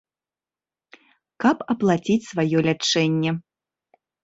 Каб аплаціць сваё лячэнне.